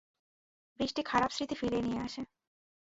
বৃষ্টি খারাপ স্মৃতি ফিরিয়ে নিয়ে আসে।